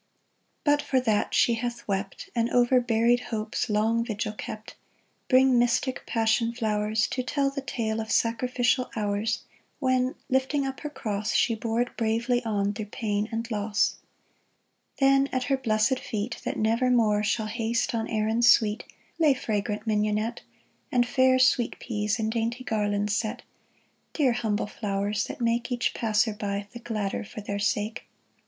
But, for that she hath wept, And over buried hopes long vigil kept, Bring mystic passion flowers. To tell the tale of sacrificial hours When, lifting up her cross, She bore it bravely on through pain and loss I HER FLOWERS 31I Then at her blessed feet, That never more shall haste on errands sweet, Lay fragrant mignonette And fair sweet peas in dainty garlands set, — Dear humble flowers, that make Each passer by the gladder for their sake